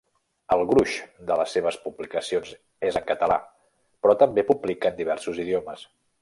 El gruix de les seves publicacions és en català, però també publiquen diversos idiomes.